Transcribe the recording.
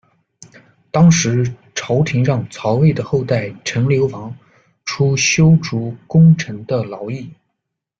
当时，朝廷让曹魏的后代陈留王出修筑宫城的劳役。